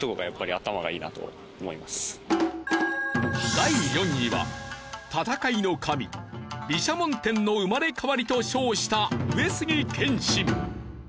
第４位は戦いの神毘沙門天の生まれ変わりと称した上杉謙信。